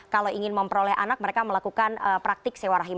kalau ingin memperoleh anak mereka melakukan praktik sewa rahim